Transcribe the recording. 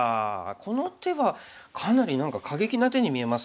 この手はかなり何か過激な手に見えますが。